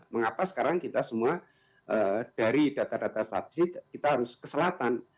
mengapa sekarang kita semua dari data data saksi kita harus ke selatan